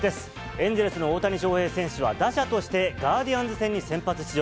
エンゼルスの大谷翔平選手は、打者として、ガーディアンズ戦に先発出場。